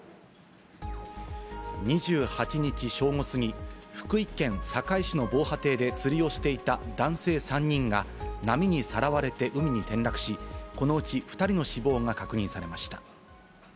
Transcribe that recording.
２８日正午過ぎ、福井県坂井市の防波堤で釣りをしていた男性３人が波にさらわれて海に転落し、このうち２人の死亡が確認されました。